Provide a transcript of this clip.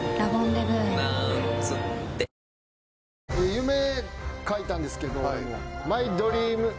・夢書いたんですけど俺も。